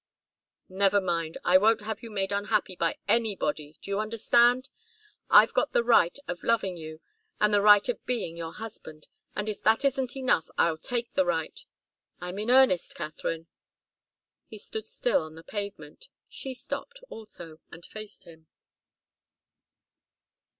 "Never mind. I won't have you made unhappy by anybody, do you understand? I've got the right of loving you, and the right of being your husband, and if that isn't enough I'll take the right. I'm in earnest, Katharine." He stood still on the pavement; she stopped, also, and faced him.